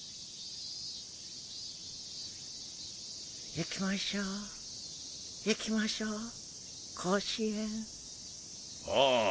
・行きましょう行きましょう甲子園・ああ